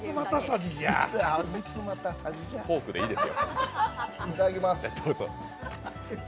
フォークでいいですよ。